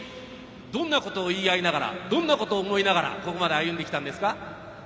どんなことを言い合いながらどんなことを思いながらここまで歩んできたんですか？